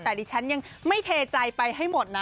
แต่ดิฉันยังไม่เทใจไปให้หมดนะ